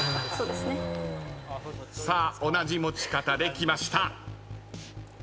さあ同じ持ち方できました。